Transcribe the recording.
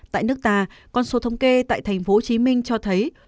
tại nước ta con số thống kê tại tp hcm cho thấy